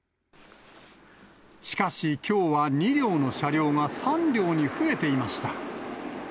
しかし、きょうは２両の車両が３両に増えていました。